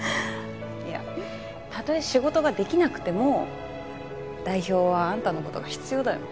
いやたとえ仕事ができなくても代表はあんたの事が必要だよ。